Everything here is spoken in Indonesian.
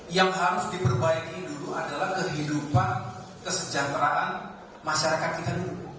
yang harus diperbaiki dulu adalah kehidupan kesejahteraan masyarakat kita dulu